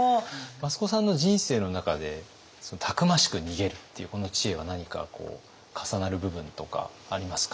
益子さんの人生の中でたくましく逃げるっていうこの知恵は何か重なる部分とかありますか？